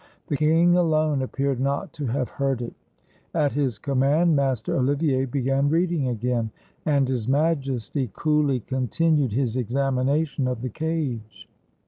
The king alone appeared not to have heard it. At his command, Master Olivier began reading again, and His Majesty coolly continued his examination of the cage.